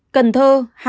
cần thơ hai